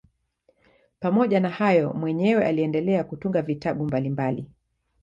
Pamoja na hayo mwenyewe aliendelea kutunga vitabu mbalimbali.